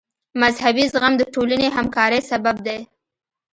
مذهبي زغم د ټولنې همکارۍ سبب دی.